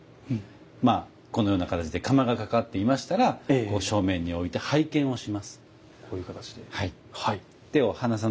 このような形で釜がかかっていましたらこう正面において拝見をします。